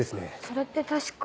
それって確か。